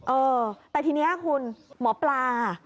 เออแต่ทีนี้คุณหมอปลา